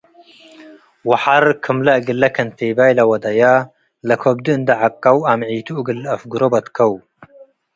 ወሐር፡ ክምለ እግለ ከንቴባይ ለወደየ፡ ለከብዱ እንዴ ዐቀው አምዒቱ እግል ለአፍግሮ በትከው።